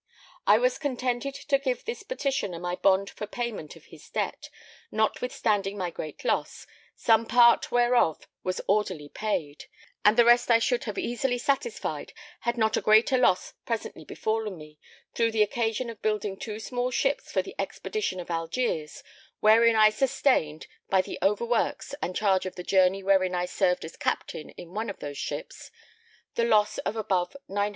I was contented to give this petitioner my bond for payment of his debt, notwithstanding my great loss, some part whereof was orderly paid, and the rest I should have easily satisfied had not a greater loss presently befallen me, through the occasion of building two small ships for the expedition of Algiers, wherein I sustained (by the overworks, and charge of the journey wherein I served as Captain in one of those ships) the loss of above 900_l.